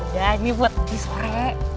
udah ini buat pagi sore